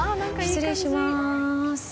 失礼します。